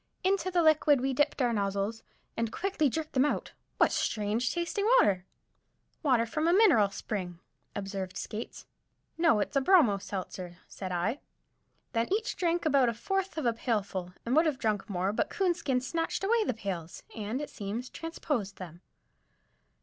Into the liquid we dipped our nozzles, and as quickly jerked them out. What strange tasting water! "Water from a mineral spring," observed Skates. "No, it's a bromo seltzer," said I. Then each drank about a fourth of a pailful, and would have drunk more, but Coonskin snatched the pails away, and, it seems, transposed them.